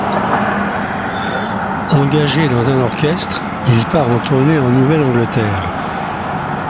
Engagé dans un orchestre, il part en tournée en Nouvelle-Angleterre.